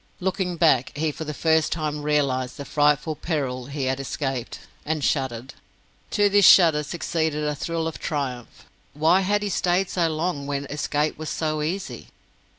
Looking back, he for the first time realized the frightful peril he had escaped, and shuddered. To this shudder succeeded a thrill of triumph. "Why had he stayed so long, when escape was so easy?"